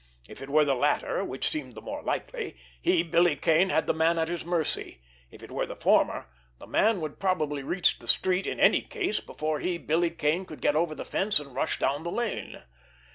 If it were the latter, which seemed the more likely, he, Billy Kane, had the man at his mercy; if it were the former, the man would probably reach the street, in any case, before he, Billy Kane, could get over the fence and rush down the lane.